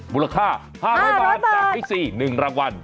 บริข่า๕๐๐บาทจากฮิสี่๑รางวัล